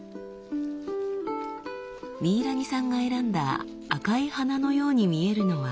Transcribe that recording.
ミイラニさんが選んだ赤い花のように見えるのはリコ。